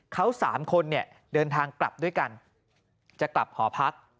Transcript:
เขาสามคนเนี่ยเดินทางกลับด้วยกันจะกลับหอพัก